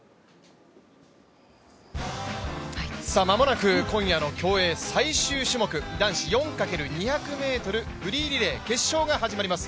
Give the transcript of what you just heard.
間もなく今夜の競泳最終種目、男子４×２００ｍフリーリレー決勝が始まります。